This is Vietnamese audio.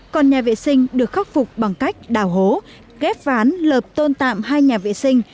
còn nhà vệ sinh được khắc phục bằng cách đào hố ghép ván lợp tôn tạm hai nhà vệ sinh